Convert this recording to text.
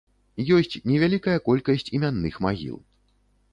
Ёсць невялікая колькасць імянных магіл.